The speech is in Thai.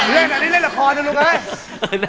เล่นแบใดเล่นละครน้องได้ลุกไง